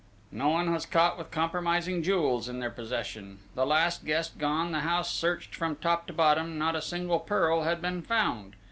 "No one was caught with compromising jewels in their possession. The last guest gone, the house searched from top to bottom, not a single pearl had been found....